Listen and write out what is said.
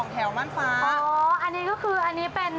เธอไม่เคยนั่งเลย